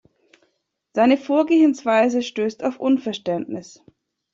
Seine Vorgehensweise stößt auf Unverständnis.